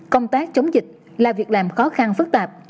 công tác chống dịch là việc làm khó khăn phức tạp